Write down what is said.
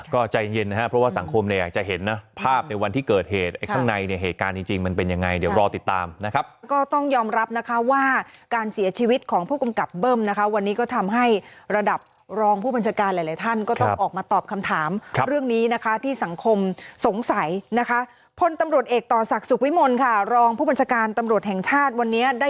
ก็ใจเย็นนะครับเพราะว่าสังคมเนี่ยจะเห็นนะภาพในวันที่เกิดเหตุข้างในเนี่ยเหตุการณ์จริงมันเป็นยังไงเดี๋ยวรอติดตามนะครับก็ต้องยอมรับนะคะว่าการเสียชีวิตของผู้กำกับเบิ้มนะคะวันนี้ก็ทำให้ระดับรองผู้บัญชาการหลายท่านก็ต้องออกมาตอบคำถามเรื่องนี้นะคะที่สังคมสงสัยนะคะพลตำรวจเอกต่อศักดิ์ส